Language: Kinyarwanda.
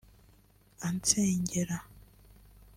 ansengera